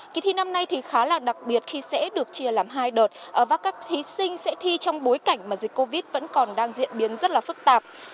kỳ thi năm nay thì khá là đặc biệt khi sẽ được chia làm hai đợt và các thí sinh sẽ thi trong bối cảnh mà dịch covid vẫn còn đang diễn biến rất là phức tạp